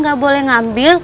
gak boleh ngambil